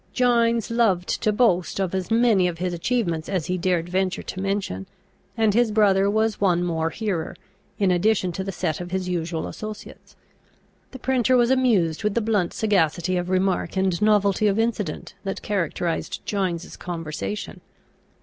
Gines loved to boast of as many of his achievements as he dared venture to mention; and his brother was one more hearer, in addition to the set of his usual associates. The printer was amused with the blunt sagacity of remark and novelty of incident that characterised Gines's conversation.